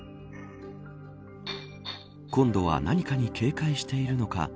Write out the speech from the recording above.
今度は何かに警戒しているのか